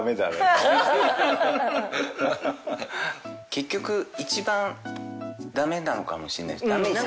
結局一番ダメなのかもしれない。